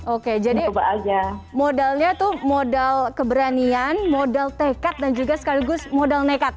oke jadi modalnya itu modal keberanian modal tekat dan juga sekaligus modal nekat